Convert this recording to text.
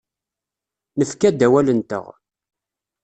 Nefka-d awal-nteɣ.